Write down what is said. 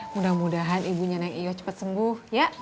mudah mudahan ibunya neng iwa cepat sembuh ya